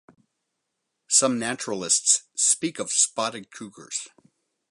Some naturalists speak of spotted cougars.